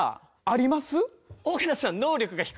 あります？